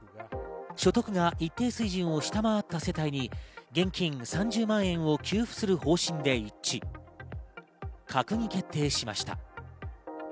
所得が一定水準を下回った世帯に現金３０万円を給付する方針で一致、閣議決定しました。